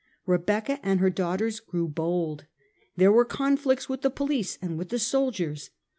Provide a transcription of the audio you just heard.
Rebecca and her daughters grew bold. There were conflicts with the police and with the soldiers.